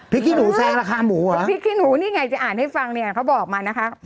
ขี้หนูแซงราคาหมูอ่ะพริกขี้หนูนี่ไงจะอ่านให้ฟังเนี่ยเขาบอกมานะคะ